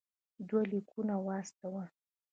دوه لیکونه واستول.